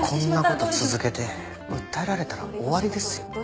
こんな事続けて訴えられたら終わりですよ。